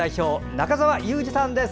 中澤佑二さんです。